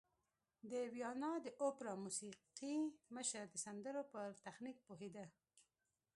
د ویانا د اوپرا موسیقي مشر د سندرو پر تخنیک پوهېده